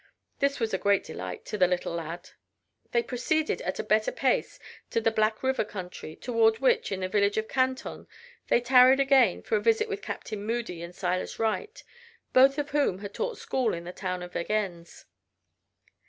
This was a great delight to the little lad. They proceeded at a better pace to the Black River country, toward which, in the village of Canton, they tarried again for a visit with Captain Moody and Silas Wright, both of whom had taught school in the town of Vergennes.